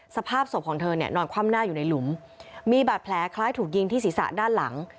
สภาพศพของเธอเนี่ยนอนคว่ำหน้าอยู่ในหลุมมีบาดแผลคล้ายถูกยิงที่ศีรษะด้านหลัง